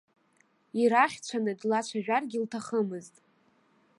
Ираӷьцәаны длацәажәаргьы лҭахымызт.